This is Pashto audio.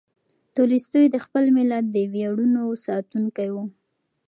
تولستوی د خپل ملت د ویاړونو ساتونکی و.